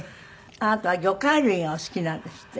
あなたは魚介類がお好きなんですって？